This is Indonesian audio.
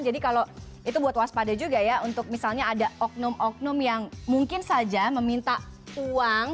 jadi kalau itu buat waspada juga ya untuk misalnya ada oknum oknum yang mungkin saja meminta uang